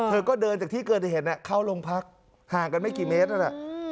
เธอก็เดินจากที่เกิดเหตุเข้าโรงพักห่างกันไม่กี่เมตรนั่นน่ะ